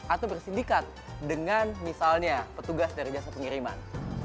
atau bersindikat dengan misalnya petugas dari jasa pengiriman